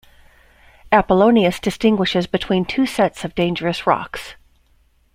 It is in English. Apollonius distinguishes between two sets of dangerous rocks.